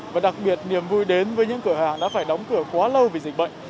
và đặc biệt niềm vui đến với những cửa hàng đã phải đóng cửa quá lâu vì dịch bệnh